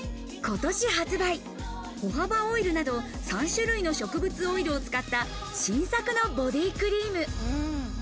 今年発売、ホホバオイルなど３種類の植物オイルを使った新作のボディクリーム。